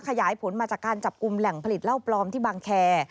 ขยายผลมาจากการจับกลุ่มแหล่งผลิตเหล้าปลอมที่บางแคร์